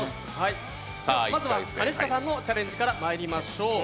まずは兼近さんのチャレンジからまいりましょう。